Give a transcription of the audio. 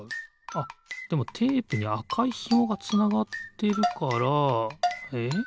あっでもテープにあかいひもがつながってるからえっ？